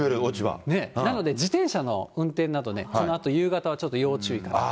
なので、自転車の運転など、このあと夕方はちょっと要注意かなと。